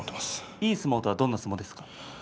いい相撲とはどんな相撲ですか。